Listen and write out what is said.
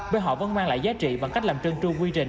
bởi họ vẫn mang lại giá trị bằng cách làm chân tru quy trình